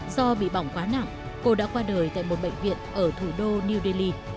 do bị bỏng quá nặng cô đã qua đời tại một bệnh viện ở thủ đô new delhi